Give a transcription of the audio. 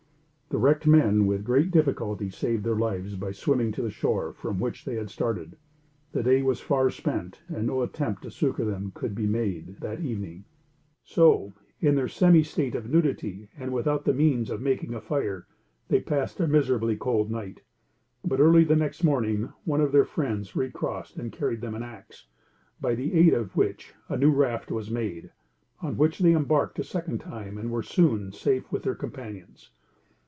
The wrecked men with great difficulty saved their lives by swimming to the shore from which they had started. The day was far spent and no attempt to succor them could be made that evening; so, in their semi state of nudity, and without the means of making a fire, they passed a miserably cold night; but, early the next morning, one of their friends recrossed and carried them an axe, by the aid of which a new raft was made, on which they embarked a second time and were soon safe with their companions.